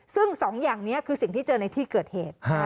ซึ่งสองอย่างนี้คือสิ่งที่เจอในที่เกิดเหตุ